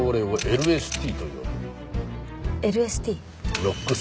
ＬＳＴ。